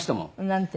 なんて？